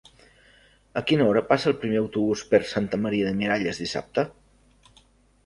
A quina hora passa el primer autobús per Santa Maria de Miralles dissabte?